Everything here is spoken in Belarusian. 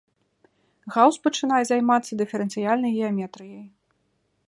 Гаус пачынае займацца дыферэнцыяльнай геаметрыяй.